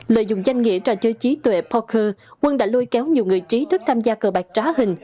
lợi dụng danh nghĩa trò chơi trí tuệ pocher quân đã lôi kéo nhiều người trí thức tham gia cờ bạc trá hình